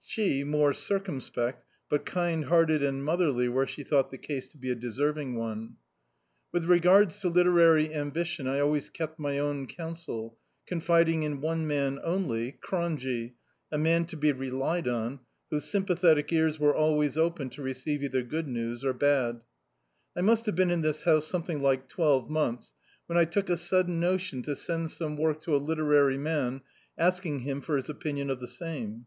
She, more circumspect, but kind hearted and motherly where she thou^t the case to be a deserving one. With regards to literary ambition I always kept my own counsel, confiding in one man cmly — "Cronje"; a man to be relied mi, whose sympathetic ears were always open to receive either ^)od or bad news. I must have been in this house something like twelve months, when I took a sudden notim to send some work to a literary man, asking him for his opinion of the same.